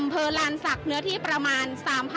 อำเภอลานศักดิ์เนื้อที่ประมาณ